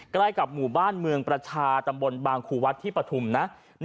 ใกล้กับหมู่บ้านเมืองประชาตำบลบางครูวัดที่ปฐุมนะ